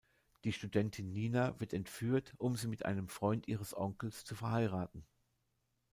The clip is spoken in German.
Die Studentin Nina wird entführt, um sie mit einem Freund ihres Onkels zu verheiraten.